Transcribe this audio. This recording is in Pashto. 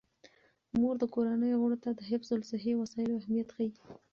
مور د کورنۍ غړو ته د حفظ الصحې وسایلو اهمیت ښيي.